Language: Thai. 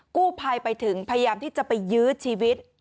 กู้ภัยไปถึงพยายามที่จะไปยื้อชีวิต